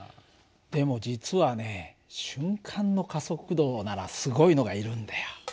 でも実はね瞬間の加速度ならすごいのがいるんだよ。